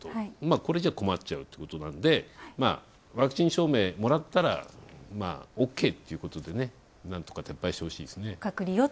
これじゃ困っちゃうということなんで、ワクチン証明もらったらオーケーということで、なんとか撤廃してほしいですね。